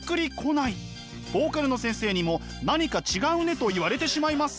ボーカルの先生にも「何か違うね」と言われてしまいます。